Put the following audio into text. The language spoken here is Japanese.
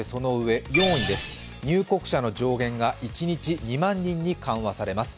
４位です、入国者の上限が一日２万人に緩和されます。